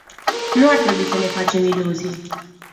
Nu ar trebui să ne facem iluzii.